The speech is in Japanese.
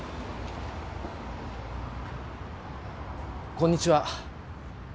こんにちは。